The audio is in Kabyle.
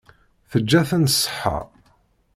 Teǧǧa-ten ṣṣeḥḥa.